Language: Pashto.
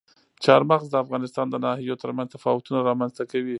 چار مغز د افغانستان د ناحیو ترمنځ تفاوتونه رامنځ ته کوي.